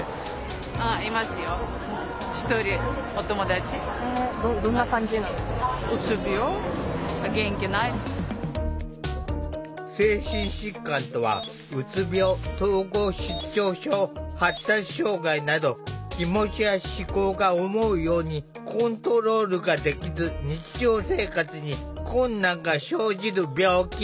突然ですが精神疾患とはうつ病統合失調症発達障害など気持ちや思考が思うようにコントロールができず日常生活に困難が生じる病気。